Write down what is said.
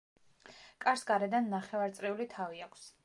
კარს გარედან ნახევარწრიული თავი აქვს.